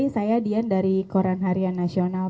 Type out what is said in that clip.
saya dian dari koran harian nasional